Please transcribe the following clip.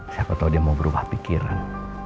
siapa tahu dia mau berubah pikiran